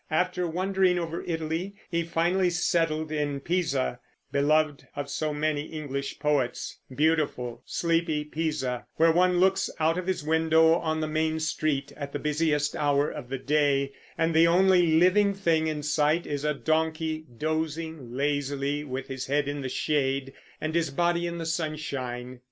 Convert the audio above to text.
After wandering over Italy he finally settled in Pisa, beloved of so many English poets, beautiful, sleepy Pisa, where one looks out of his window on the main street at the busiest hour of the day, and the only living thing in sight is a donkey, dozing lazily, with his head in the shade and his body in the sunshine.